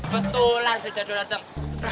betulan si daddo dateng